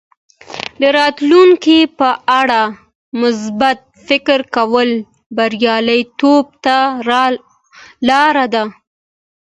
د راتلونکي په اړه مثبت فکر کول بریالیتوب ته لاره ده.